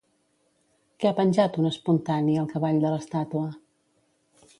Què ha penjat un espontani al cavall de l'estàtua?